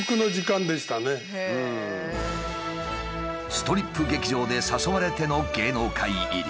ストリップ劇場で誘われての芸能界入り。